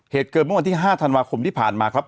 เหตุเกิดเมื่อวันที่๕ธันวาคมที่ผ่านมาครับ